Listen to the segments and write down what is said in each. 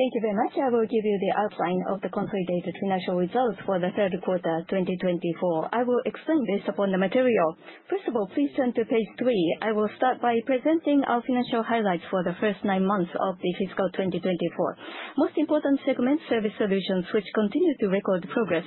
Thank you very much. I will give you the outline of the consolidated financial results for the third quarter 2024. I will explain based upon the material. First of all, please turn to page three. I will start by presenting our financial highlights for the first nine months of the fiscal 2024. Most important segment: Service Solutions, which continue to record progress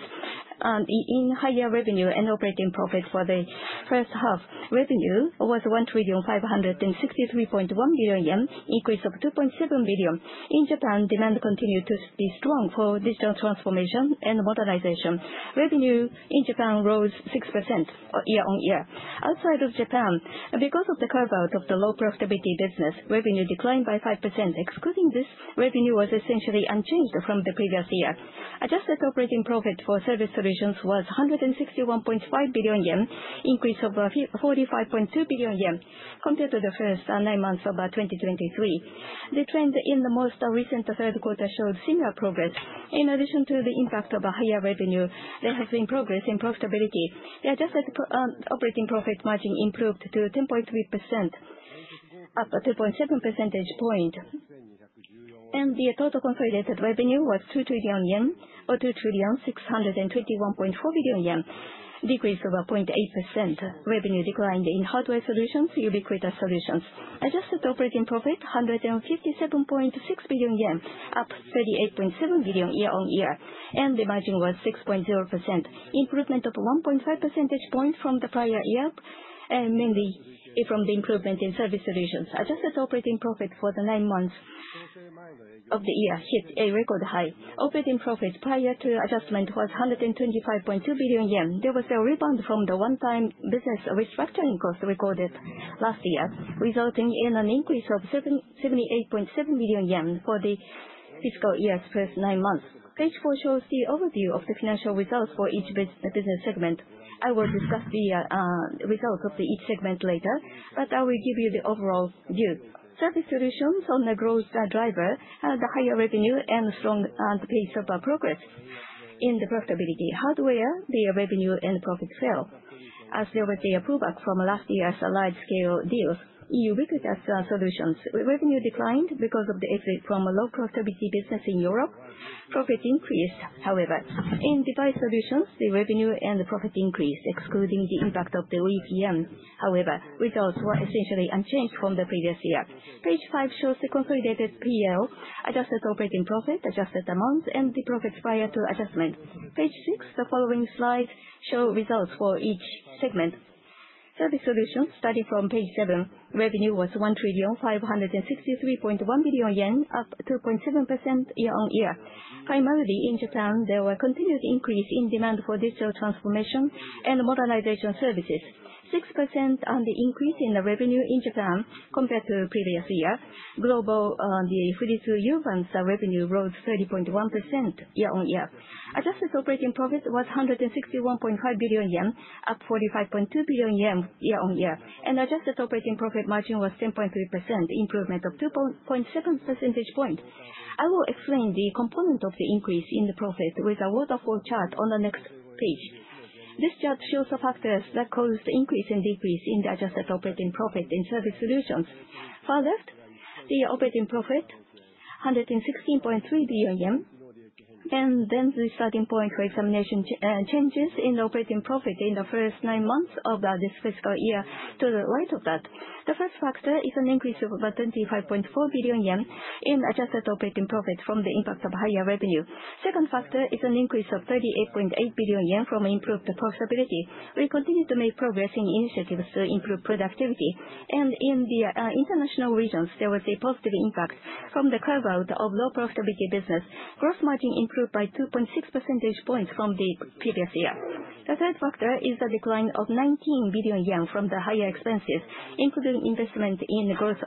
in higher revenue and operating profits for the first half. Revenue was 1,563,100,000,000 yen, increased by 2.7 billion. In Japan, demand continued to be strong for digital transformation and modernization. Revenue in Japan rose 6% year-on-year. Outside of Japan, because of the carve-out of the low profitability business, revenue declined by 5%. Excluding this, revenue was essentially unchanged from the previous year. Adjusted Operating Profit for Service Solutions was 161.5 billion yen, increased of 45.2 billion yen compared to the first nine months of 2023. The trend in the most recent third quarter showed similar progress. In addition to the impact of higher revenue, there has been progress in profitability. The Adjusted Operating Profit margin improved to 10.3%, up a 2.7 percentage point, and the total consolidated revenue was 2 trillion yen, or 2,621,400,000,000, decreased of 0.8%. Revenue declined in Hardware Solutions, Ubiquitous Solutions. Adjusted Operating Profit: 157.6 billion yen, up 38.7 billion year-on-year, and the margin was 6.0%, improvement of 1.5 percentage points from the prior-year, mainly from the improvement in Service Solutions. Adjusted Operating Profit for the nine months of the year hit a record high. Operating profit prior to adjustment was 125.2 billion yen. There was a rebound from the one-time business restructuring cost recorded last year, resulting in an increase of 78.7 billion yen for the fiscal year's first nine months. Page four shows the overview of the financial results for each business segment. I will discuss the results of each segment later, but I will give you the overall view. Service Solutions on the growth driver had the higher revenue and strong and pace of progress in the profitability. Hardware Solutions, the revenue and profits fell as there was a pullback from last year's large-scale deals. Ubiquitous Solutions: revenue declined because of the exit from a low profitability business in Europe. Profit increased, however. In Device Solutions, the revenue and profit increased, excluding the impact of the EPM. However, results were essentially unchanged from the previous year. Page five shows the consolidated P&L, adjusted operating profit, adjusted amounts, and the profits prior to adjustment. Page six, the following slides show results for each segment. Service Solutions, starting from page seven, revenue was 1,563,100,000,000 yen, up 2.7% year-on-year. Primarily in Japan, there were continued increases in demand for digital transformation and modernization services, 6% on the increase in revenue in Japan compared to the previous year. Globally, the Fujitsu Uvance revenue rose 30.1% year-on-year. Adjusted operating profit was 161.5 billion yen, up 45.2 billion yen year-on-year. Adjusted operating profit margin was 10.3%, improvement of 2.7 percentage points. I will explain the component of the increase in the profit with a waterfall chart on the next page. This chart shows the factors that caused the increase and decrease in the adjusted operating profit in Service Solutions. Far left, the operating profit: 116.3 billion yen. And then the starting point for examining changes in the operating profit in the first nine months of this fiscal year to the right of that. The first factor is an increase of 25.4 billion yen in adjusted operating profit from the impact of higher revenue. Second factor is an increase of 38.8 billion yen from improved profitability. We continue to make progress in initiatives to improve productivity. And in the international regions, there was a positive impact from the carve-out of low profitability business. Gross margin improved by 2.6 percentage points from the previous year. The third factor is the decline of 19 billion yen from the higher expenses, including investment in the growth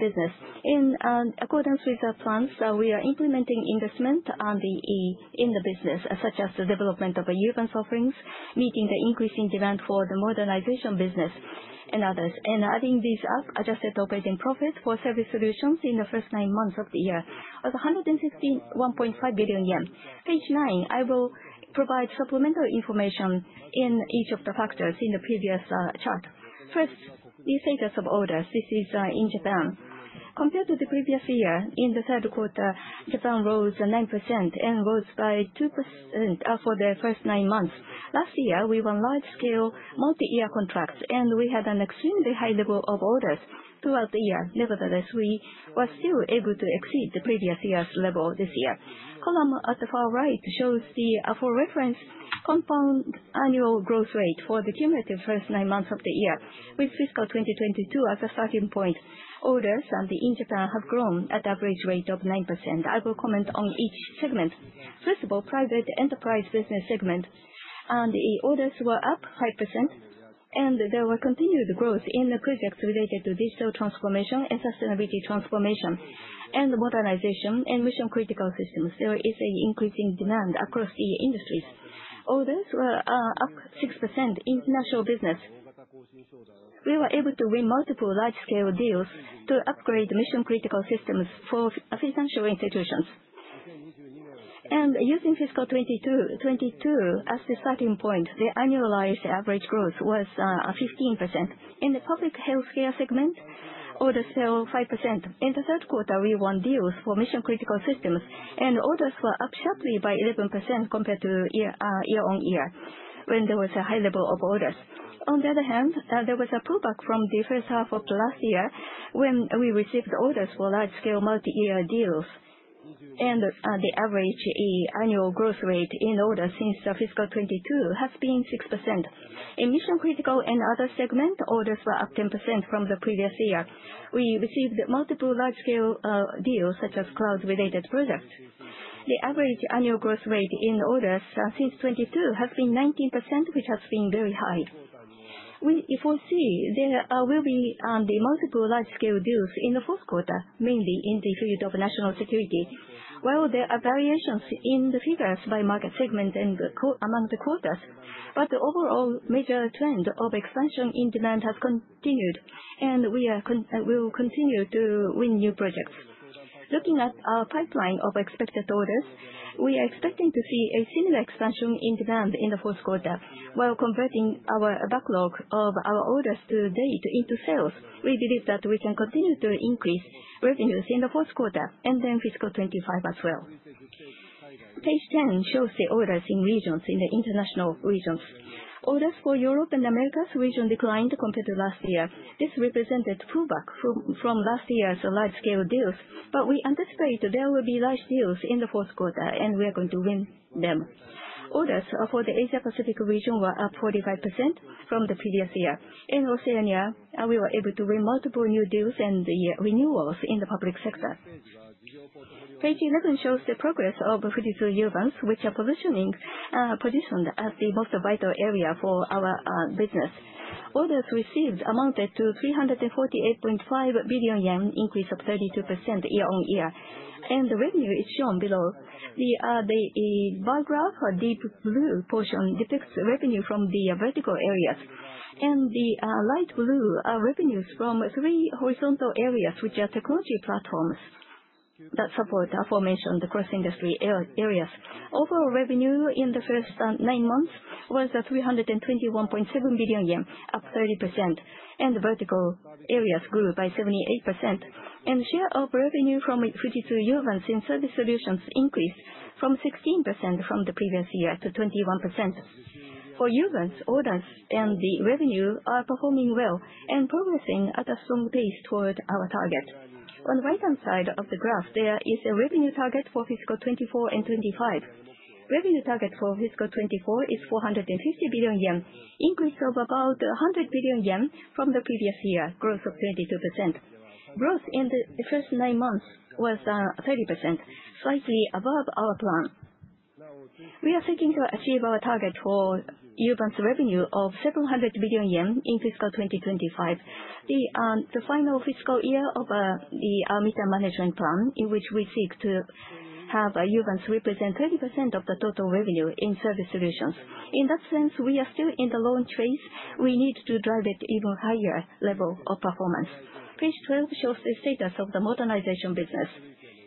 business. In accordance with the plans, we are implementing investment on the business, such as the development of Uvance offerings, meeting the increasing demand for the modernization business and others, and adding these up, Adjusted Operating Profit for Service Solutions in the first nine months of the year was 161.5 billion yen. Page nine, I will provide supplemental information in each of the factors in the previous chart. First, the status of orders. This is in Japan. Compared to the previous year, in the third quarter, Japan rose 9% and rose by 2% for the first nine months. Last year, we won large-scale multi-year contracts, and we had an extremely high level of orders throughout the year. Nevertheless, we were still able to exceed the previous year's level this year. Column at the far right shows the, for reference, compound annual growth rate for the cumulative first nine months of the year, with fiscal 2022 as a starting point. Orders in Japan have grown at the average rate of 9%. I will comment on each segment. First of all, Private Enterprise Business segment and the orders were up 5% and there were continued growth in the projects related to digital transformation and sustainability transformation and modernization and mission-critical systems. There is an increasing demand across the industries. Orders were up 6% in international business. We were able to win multiple large-scale deals to upgrade mission-critical systems for financial institutions, and using fiscal 2022 as the starting point, the annualized average growth was 15%. In the Public Healthcare segment, orders fell 5%. In the third quarter, we won deals for mission-critical systems, and orders were up sharply by 11% compared to year-on-year when there was a high level of orders. On the other hand, there was a pullback from the first half of last year when we received orders for large-scale multi-year deals, and the average annual growth rate in orders since fiscal 2022 has been 6%. In mission-critical and other segments, orders were up 10% from the previous year. We received multiple large-scale deals, such as cloud-related projects. The average annual growth rate in orders since 2022 has been 19%, which has been very high. We foresee there will be multiple large-scale deals in the fourth quarter, mainly in the field of national security. There are variations in the figures by market segment and among the quarters, but the overall major trend of expansion in demand has continued, and we will continue to win new projects. Looking at our pipeline of expected orders, we are expecting to see a similar expansion in demand in the fourth quarter. While converting our backlog of our orders to date into sales, we believe that we can continue to increase revenues in the fourth quarter and then fiscal 2025 as well. Page 10 shows the orders in regions, in the international regions. Orders for Europe and Americas region declined compared to last year. This represented a pullback from last year's large-scale deals, but we anticipate there will be large deals in the fourth quarter, and we are going to win them. Orders for the Asia-Pacific region were up 45% from the previous year. In Oceania, we were able to win multiple new deals and renewals in the public sector. Page 11 shows the progress of Fujitsu Uvance, which are positioned as the most vital area for our business. Orders received amounted to 348.5 billion yen, increase of 32% year-on-year. The revenue is shown below. The bar graph, deep blue portion, depicts revenue from the vertical areas, and the light blue are revenues from three horizontal areas, which are technology platforms that support aforementioned cross-industry areas. Overall revenue in the first nine months was 321.7 billion yen, up 30%, and the vertical areas grew by 78%. The share of revenue from Fujitsu Uvance in Service Solutions increased from 16% from the previous year to 21%. For Uvance, orders and the revenue are performing well and progressing at a strong pace toward our target. On the right-hand side of the graph, there is a revenue target for fiscal 2024 and 2025. Revenue target for fiscal 2024 is 450 billion yen, increase of about 100 billion yen from the previous year, growth of 22%. Growth in the first nine months was 30%, slightly above our plan. We are seeking to achieve our target for Uvance revenue of 700 billion yen in fiscal 2025. The final fiscal year of the Medium-Term Management Plan, in which we seek to have Uvance represent 30% of the total revenue in service solutions. In that sense, we are still in the long race. We need to drive it to an even higher level of performance. Page 12 shows the status of the modernization business.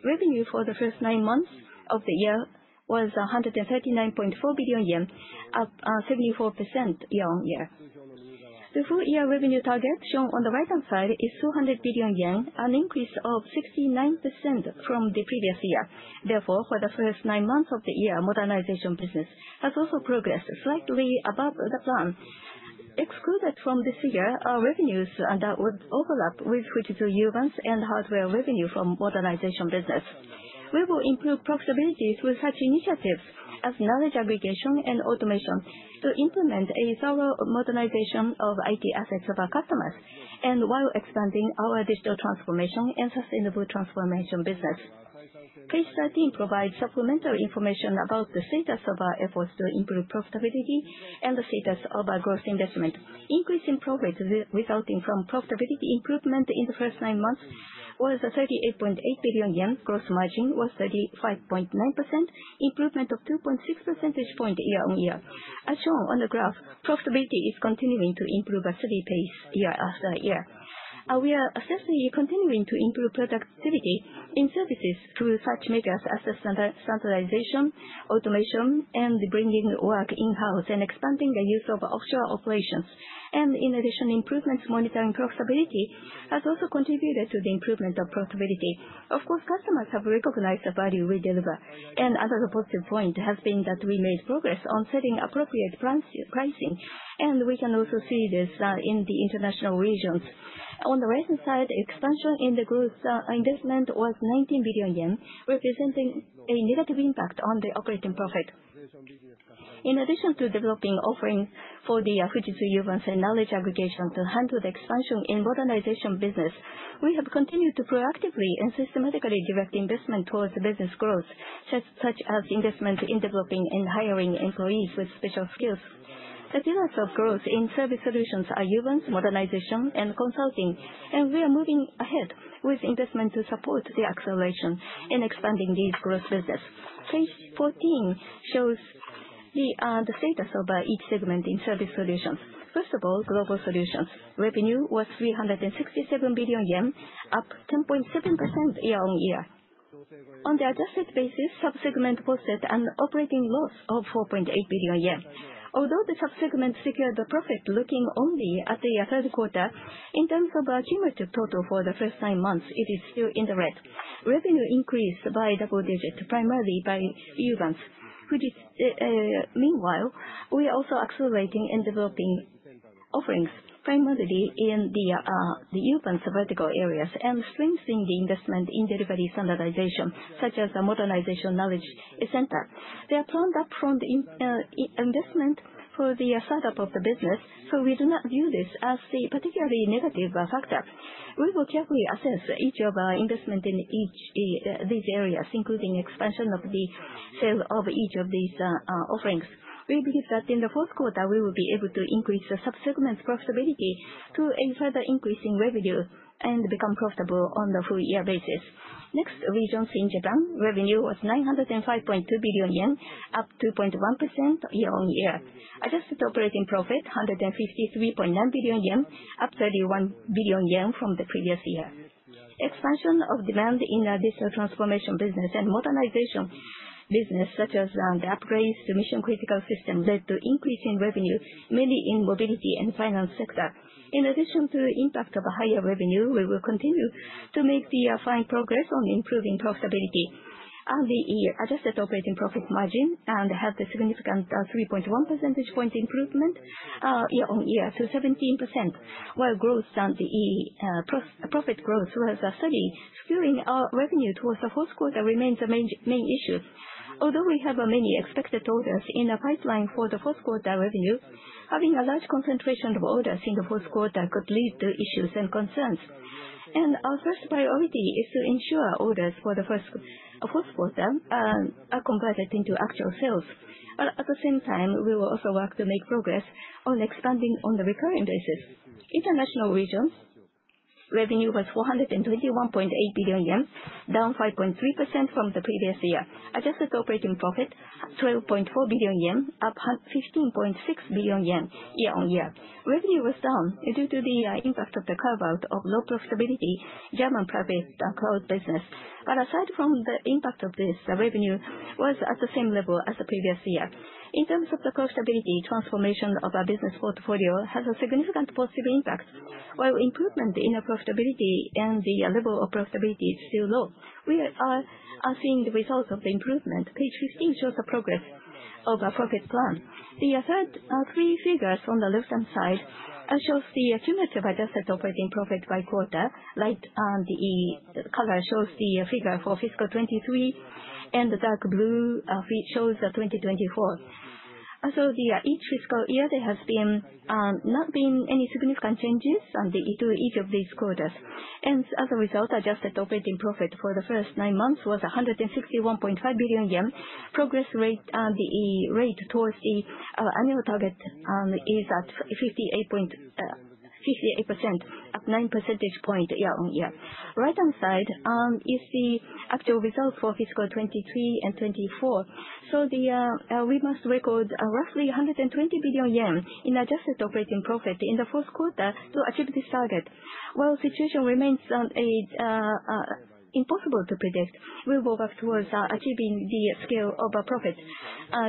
Revenue for the first nine months of the year was 139.4 billion yen, up 74% year-on-year. The full-year revenue target shown on the right-hand side is 200 billion yen, an increase of 69% from the previous year. Therefore, for the first nine months of the year, modernization business has also progressed slightly above the plan. Excluded from this year are revenues that would overlap with Fujitsu Uvance and hardware revenue from modernization business. We will improve profitability through such initiatives as knowledge aggregation and automation to implement a thorough modernization of IT assets of our customers and while expanding our digital transformation and sustainable transformation business. Page 13 provides supplemental information about the status of our efforts to improve profitability and the status of our growth investment. Increasing profits resulting from profitability improvement in the first nine months was 38.8 billion yen. Gross margin was 35.9%, improvement of 2.6 percentage points year-on-year. As shown on the graph, profitability is continuing to improve at a steady pace year-after-year. We are assessing continuing to improve productivity in services through such measures as standardization, automation, and bringing work in-house and expanding the use of offshore operations, and in addition, improvements monitoring profitability has also contributed to the improvement of profitability. Of course, customers have recognized the value we deliver, and another positive point has been that we made progress on setting appropriate pricing, and we can also see this in the international regions. On the right-hand side, expansion in the growth investment was 19 billion yen, representing a negative impact on the operating profit. In addition to developing offerings for the Fujitsu Uvance and knowledge aggregation to handle the expansion in modernization business, we have continued to proactively and systematically direct investment towards business growth, such as investment in developing and hiring employees with special skills. The pillars of growth in Service Solutions are Uvance, modernization, and consulting. And we are moving ahead with investment to support the acceleration in expanding this growth business. Page 14 shows the status of each segment in Service Solutions. First of all, Global Solutions. Revenue was 367 billion yen, up 10.7% year-on-year. On the adjusted basis, subsegment posted an operating loss of 4.8 billion yen. Although the subsegment secured the profit looking only at the third quarter, in terms of a cumulative total for the first nine months, it is still in the red. Revenue increased by double digit, primarily by Uvance. Meanwhile, we are also accelerating and developing offerings primarily in the Uvance vertical areas and strengthening the investment in delivery standardization, such as a modernization knowledge center. There are planned upfront investment for the startup of the business, so we do not view this as a particularly negative factor. We will carefully assess each of our investment in these areas, including expansion of the sale of each of these offerings. We believe that in the fourth quarter, we will be able to increase the subsegment's profitability to a further increase in revenue and become profitable on the full-year basis. Next, regions in Japan. Revenue was 905.2 billion yen, up 2.1% year-on-year. Adjusted operating profit 153.9 billion yen, up 31 billion yen from the previous year. Expansion of demand in digital transformation business and modernization business, such as the upgrades to mission-critical systems, led to increasing revenue, mainly in mobility and finance sector. In addition to the impact of a higher revenue, we will continue to make fine progress on improving profitability, and the adjusted operating profit margin had a significant 3.1 percentage point improvement year-on-year to 17%, while growth and the profit growth was steady. Securing our revenue towards the fourth quarter remains a main issue. Although we have many expected orders in the pipeline for the fourth quarter revenue, having a large concentration of orders in the fourth quarter could lead to issues and concerns, and our first priority is to ensure orders for the fourth quarter are converted into actual sales. At the same time, we will also work to make progress on expanding on the recurring basis. International regions, revenue was 421.8 billion yen, down 5.3% from the previous year. Adjusted Operating Profit 12.4 billion yen, up 15.6 billion yen year-on-year. Revenue was down due to the impact of the carve-out of low profitability in German Private Cloud Business. But aside from the impact of this, the revenue was at the same level as the previous year. In terms of the profitability, transformation of our business portfolio has a significant positive impact. While improvement in profitability and the level of profitability is still low, we are seeing the results of the improvement. Page 15 shows the progress of our profit plan. The third three figures on the left-hand side show the cumulative adjusted operating profit by quarter. Light color shows the figure for fiscal 2023, and the dark blue shows 2024. So each fiscal year, there have not been any significant changes to each of these quarters. And as a result, Adjusted Operating Profit for the first nine months was 161.5 billion yen. Progress rate and the rate towards the annual target is at 58%, up 9 percentage points year-on-year. Right-hand side is the actual result for fiscal 2023 and 2024. So we must record roughly 120 billion yen in Adjusted Operating Profit in the fourth quarter to achieve this target. While the situation remains impossible to predict, we will work towards achieving the scale of our profits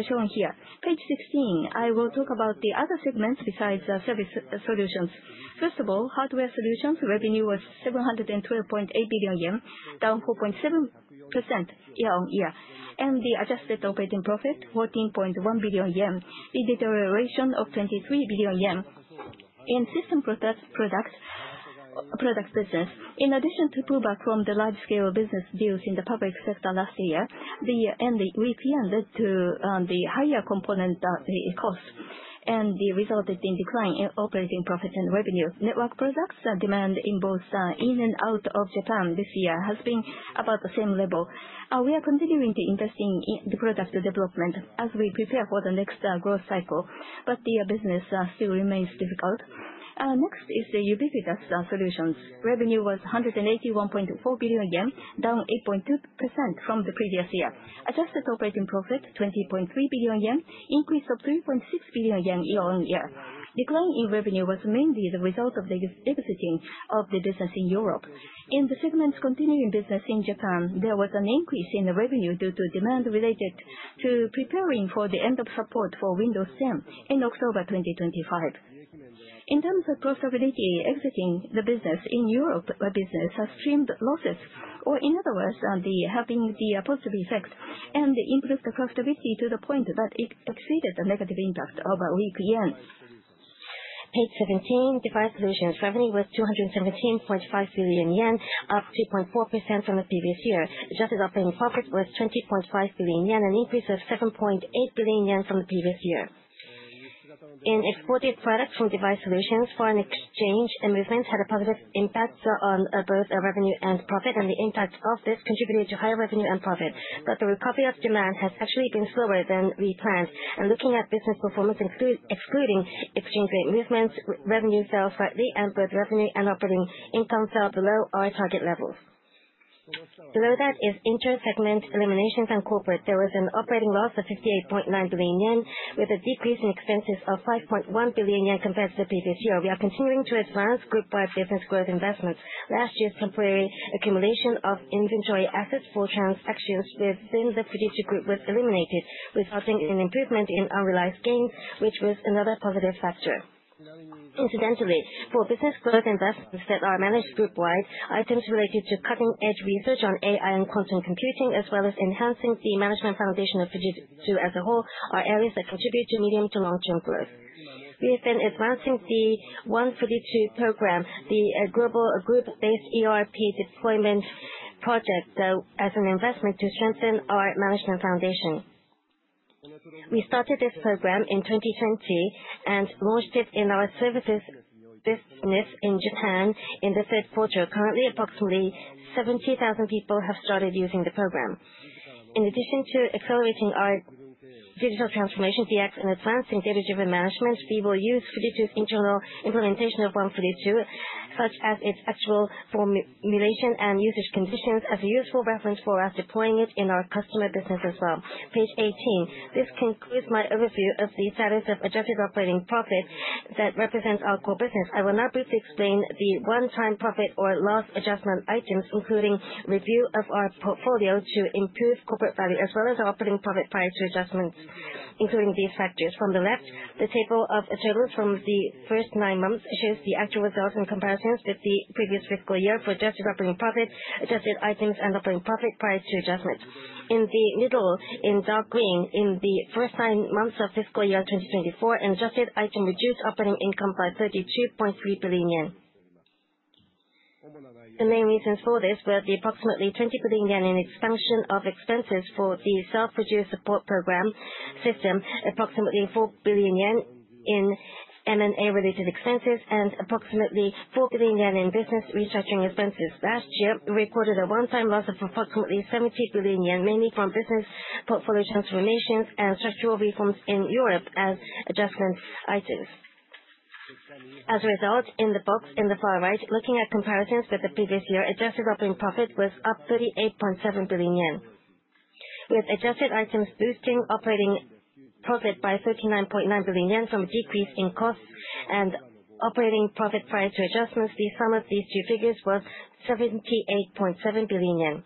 shown here. Page 16, I will talk about the other segments besides Service Solutions. First of all, Hardware Solutions, revenue was 712.8 billion yen, down 4.7% year-on-year. And the Adjusted Operating Profit, 14.1 billion yen, the deterioration of 23 billion yen in System Product business. In addition to pullback from the large-scale business deals in the public sector last year, the year-end weak yen led to the higher component cost and resulted in a decline in operating profit and revenue. Network products and demand in both in and out of Japan this year has been about the same level. We are continuing to invest in the product development as we prepare for the next growth cycle, but the business still remains difficult. Next is the Ubiquitous Solutions. Revenue was 181.4 billion yen, down 8.2% from the previous year. Adjusted Operating Profit, 20.3 billion yen, increased of 3.6 billion yen year-on-year. Decline in revenue was mainly the result of the exiting of the business in Europe. In the segment's continuing business in Japan, there was an increase in revenue due to demand related to preparing for the end of support for Windows 10 in October 2025. In terms of profitability, exiting the business in European business has stemmed losses, or in other words, having the positive effect and increased the profitability to the point that it exceeded the negative impact of a weak yen. Page 17, Device Solutions. Revenue was 217.5 billion yen, up 3.4% from the previous year. Adjusted operating profit was 20.5 billion yen, an increase of 7.8 billion yen from the previous year. In exported products from Device Solutions, foreign exchange movements had a positive impact on both revenue and profit, and the impact of this contributed to higher revenue and profit, but the recovery of demand has actually been slower than we planned. Looking at business performance, excluding exchange rate movements, revenue fell slightly, and both revenue and operating income fell below our target levels. Below that is intersegment eliminations and corporate. There was an operating loss of 58.9 billion yen, with a decrease in expenses of 5.1 billion yen compared to the previous year. We are continuing to advance group-wide business growth investments. Last year's temporary accumulation of inventory assets for transactions within the Fujitsu Group was eliminated, resulting in an improvement in unrealized gains, which was another positive factor. Incidentally, for business growth investments that are managed group-wide, items related to cutting-edge research on AI and quantum computing, as well as enhancing the management foundation of Fujitsu as a whole, are areas that contribute to medium to long-term growth. We have been advancing the OneFujitsu Program, the global group-based ERP deployment project as an investment to strengthen our management foundation. We started this program in 2020 and launched it in our services business in Japan in the third quarter. Currently, approximately 70,000 people have started using the program. In addition to accelerating our digital transformation, DX, and advancing data-driven management, we will use Fujitsu's internal implementation of OneFujitsu, such as its actual formulation and usage conditions, as a useful reference for us deploying it in our customer business as well. Page 18. This concludes my overview of the status of adjusted operating profit that represents our core business. I will now briefly explain the one-time profit or loss adjustment items, including review of our portfolio to improve corporate value, as well as our operating profit prior to adjustments, including these factors. From the left, the table of totals from the first nine months shows the actual results and comparisons with the previous fiscal year for adjusted operating profit, adjusted items, and operating profit prior to adjustments. In the middle, in dark green, in the first nine months of fiscal year 2024, an adjusted item reduced operating income by 32.3 billion yen. The main reasons for this were the approximately 20 billion yen in expansion of expenses for the Self-Produce Support program system, approximately 4 billion yen in M&A-related expenses, and approximately 4 billion yen in business restructuring expenses. Last year, we recorded a one-time loss of approximately 70 billion yen, mainly from business portfolio transformations and structural reforms in Europe as adjustment items. As a result, in the box in the far right, looking at comparisons with the previous year, adjusted operating profit was up 38.7 billion yen. With adjusted items boosting operating profit by 39.9 billion yen from a decrease in costs and operating profit prior to adjustments, the sum of these two figures was 78.7 billion yen.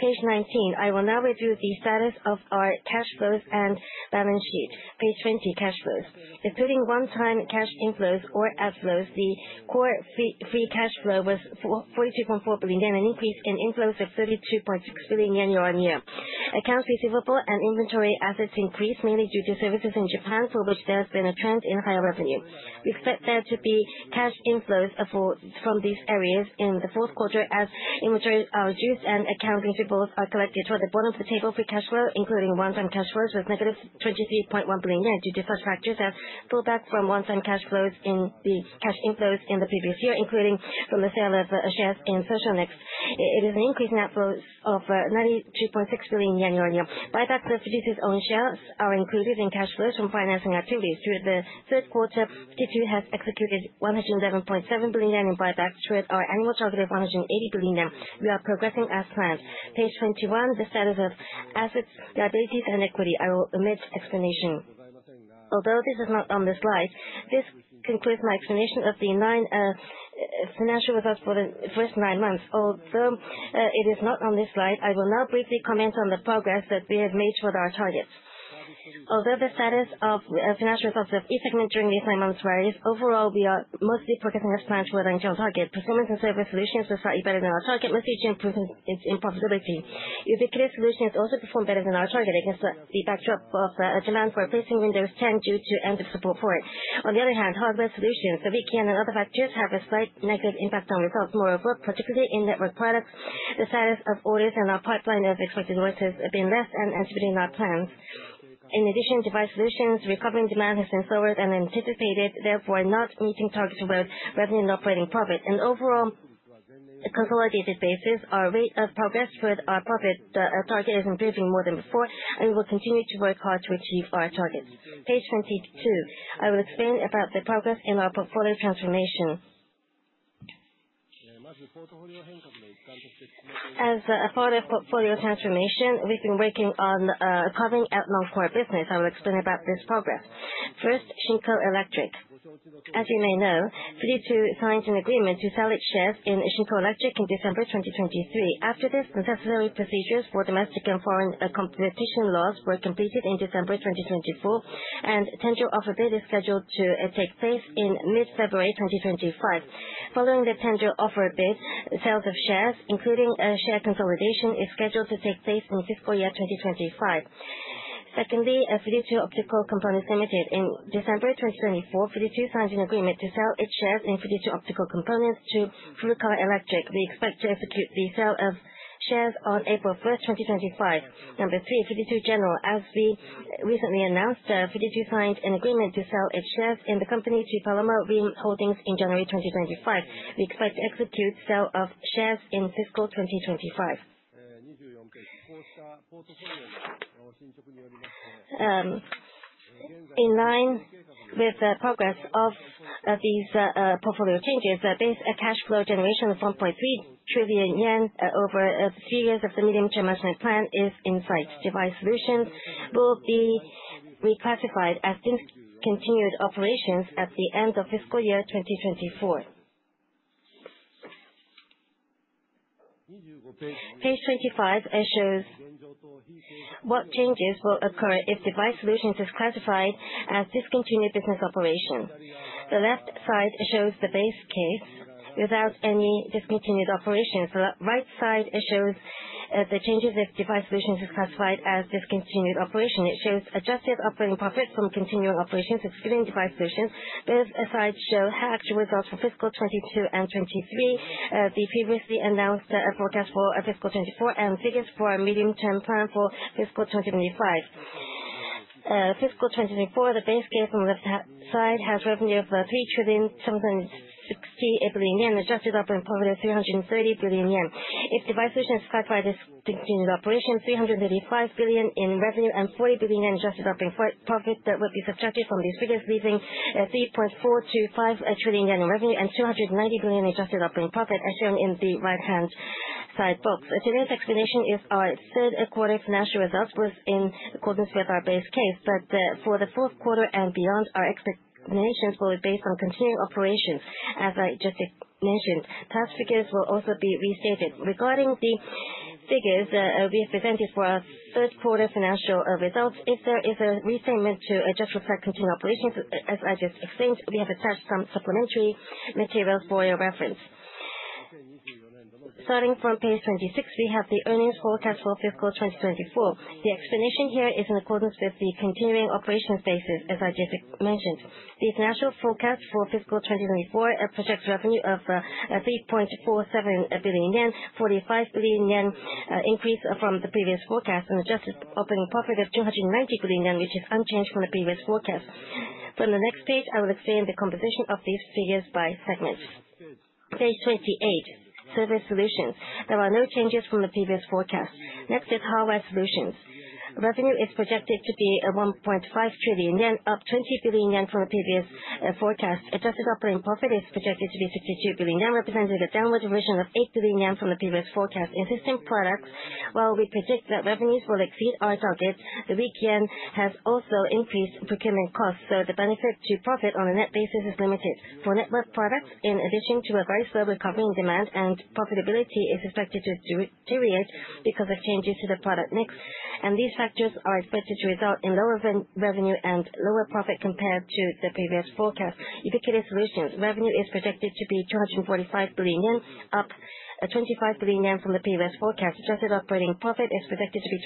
Page 19, I will now review the status of our cash flows and balance sheet. Page 20, cash flows. Including one-time cash inflows or outflows, the core free cash flow was 42.4 billion yen, an increase in inflows of 32.6 billion yen year-on-year. Accounts receivable and inventory assets increased, mainly due to services in Japan, for which there has been a trend in higher revenue. We expect there to be cash inflows from these areas in the fourth quarter as inventories are reduced and accounts receivables are collected. For the bottom of the table, free cash flow, including one-time cash flows, was -23.1 billion yen due to such factors as pullback from one-time cash flows in the cash inflows in the previous year, including from the sale of shares in Socionext. It is an increase in outflows of 92.6 billion yen year-on-year. Buybacks of Fujitsu's own shares are included in cash flows from financing activities. Through the third quarter, Fujitsu has executed 111.7 billion yen in buybacks with our annual target of 180 billion yen. We are progressing as planned. Page 21, the status of assets, liabilities, and equity. I will omit explanation. Although this is not on the slide, this concludes my explanation of the nine financial results for the first nine months. Although it is not on this slide, I will now briefly comment on the progress that we have made toward our targets. Although the status of financial results of each segment during these nine months varies, overall, we are mostly progressing as planned toward our internal target. Performance and Service Solutions are slightly better than our target, mostly due to improvements in profitability. Ubiquitous Solutions also perform better than our target against the backdrop of demand for replacing Windows 10 due to end-of-support for it. On the other hand, Hardware Solutions, the weak yen, and other factors have a slight negative impact on results. Moreover, particularly in network products, the status of orders and our pipeline of expected orders has been less than anticipated in our plans. In addition, Device Solutions' recovering demand has been slower than anticipated, therefore not meeting targets about revenue and operating profit. On a consolidated basis, our rate of progress toward our profit target is improving more than before, and we will continue to work hard to achieve our targets. Page 22, I will explain about the progress in our portfolio transformation. As a part of portfolio transformation, we've been working on carving out non-core business. I will explain about this progress. First, SHINKO Electric. As you may know, Fujitsu signed an agreement to sell its shares in SHINKO Electric in December 2023. After this, necessary procedures for domestic and foreign competition laws were completed in December 2024, and tender offer bid is scheduled to take place in mid-February 2025. Following the tender offer bid, sales of shares, including share consolidation, is scheduled to take place in fiscal year 2025. Secondly, Fujitsu Optical Components Limited. In December 2024, Fujitsu signed an agreement to sell its shares in Fujitsu Optical Components to Fuji Electric. We expect to execute the sale of shares on April 1, 2025. Number three, Fujitsu General. As we recently announced, Fujitsu signed an agreement to sell its shares in the company to Paloma Holdings in January 2025. We expect to execute sale of shares in fiscal 2025. In line with the progress of these portfolio changes, the base cash flow generation of 1.3 trillion yen over three years of the medium-term management plan is in sight. Device Solutions will be reclassified as discontinued operations at the end of fiscal year 2024. Page 25 shows what changes will occur if Device Solutions are classified as discontinued business operations. The left side shows the base case without any discontinued operations. The right side shows the changes if Device Solutions are classified as discontinued operations. It shows Adjusted Operating Profit from continuing operations, excluding Device Solutions. Both sides show actual results for fiscal 2022 and 2023, the previously announced forecast for fiscal 2024, and figures for our medium-term plan for fiscal 2025. Fiscal 2024, the base case on the left side has revenue of 3,768,000,000,000 yen. Adjusted Operating Profit of 330 billion yen. If Device Solutions are classified as discontinued operations, 335 billion in revenue and 40 billion yen in Adjusted Operating Profit that would be subtracted from these figures, leaving 3.4 trillion yen-JPY5 trillion in revenue and 290 billion in Adjusted Operating Profit, as shown in the right-hand side box. Today's explanation is our third quarter financial results was in accordance with our base case, but for the fourth quarter and beyond, our explanations will be based on continuing operations, as I just mentioned. Past figures will also be restated. Regarding the figures we have presented for our third quarter financial results, if there is a restatement to adjust for continuing operations, as I just explained, we have attached some supplementary materials for your reference. Starting from page 26, we have the earnings forecast for fiscal 2024. The explanation here is in accordance with the continuing operations basis, as I just mentioned. The financial forecast for fiscal 2024 projects revenue of 3.47 billion yen, 45 billion yen increase from the previous forecast, and adjusted operating profit of 290 billion yen, which is unchanged from the previous forecast. From the next page, I will explain the composition of these figures by segments. Page 28, Service Solutions. There are no changes from the previous forecast. Next is Hardware Solutions. Revenue is projected to be 1.5 trillion yen, up 20 billion yen from the previous forecast. Adjusted operating profit is projected to be 62 billion yen, representing a downward revision of 8 billion yen from the previous forecast. In System Products, while we predict that revenues will exceed our target, the weak yen has also increased procurement costs, so the benefit to profit on a net basis is limited. For Network Products, in addition to a very slow recovery in demand, profitability is expected to deteriorate because of changes to the product mix, and these factors are expected to result in lower revenue and lower profit compared to the previous forecast. Ubiquitous Solutions. Revenue is projected to be 245 billion yen, up 25 billion yen from the previous forecast. Adjusted operating profit is projected to be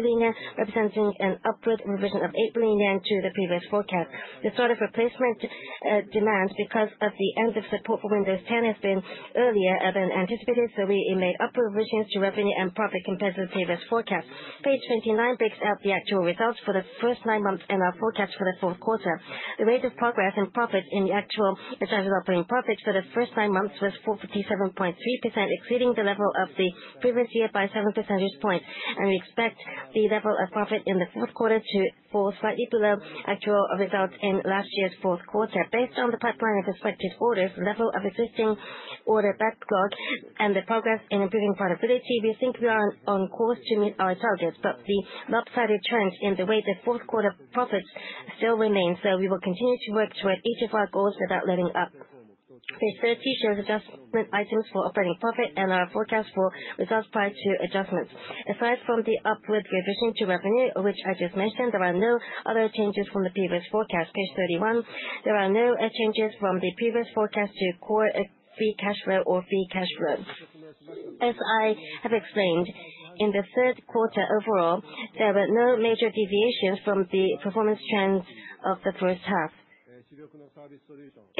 28 billion yen, representing an upward revision of 8 billion yen to the previous forecast. The start of replacement demands because of the end-of-support for Windows 10 has been earlier than anticipated, so we made upward revisions to revenue and profit compared to the previous forecast. Page 29 breaks out the actual results for the first nine months and our forecast for the fourth quarter. The rate of progress in profits in the actual adjusted operating profits for the first nine months was 457.3%, exceeding the level of the previous year by 7 percentage points, and we expect the level of profit in the fourth quarter to fall slightly below actual results in last year's fourth quarter. Based on the pipeline of expected orders, the level of existing order backlog, and the progress in improving profitability, we think we are on course to meet our targets, but the lopsided trend in the way the fourth quarter profits still remains, so we will continue to work toward each of our goals without letting up. Page 30 shows adjustment items for operating profit and our forecast for results prior to adjustments. Aside from the upward revision to revenue, which I just mentioned, there are no other changes from the previous forecast. Page 31. There are no changes from the previous forecast to core free cash flow or free cash flow. As I have explained, in the third quarter overall, there were no major deviations from the performance trends of the first half.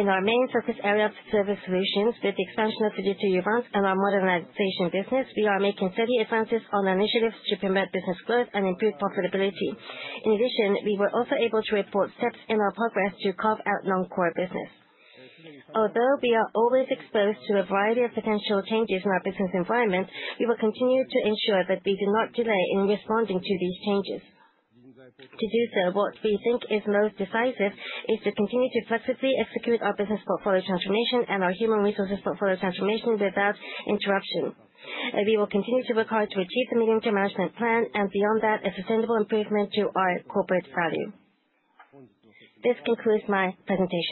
In our main focus area of Service Solutions, with the expansion of Fujitsu Uvance and our Modernization business, we are making steady advances on initiatives to promote business growth and improve profitability. In addition, we were also able to report steps in our progress to carve out non-core business. Although we are always exposed to a variety of potential changes in our business environment, we will continue to ensure that we do not delay in responding to these changes. To do so, what we think is most decisive is to continue to flexibly execute our business portfolio transformation and our human resources portfolio transformation without interruption. We will continue to work hard to achieve the medium-term management plan and beyond that, a sustainable improvement to our corporate value. This concludes my presentation.